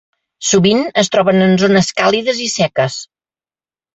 Sovint es troben en zones càlides i seques.